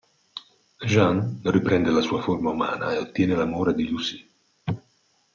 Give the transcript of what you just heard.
Jean riprende la sua forma umana e ottiene l'amore di Lucie.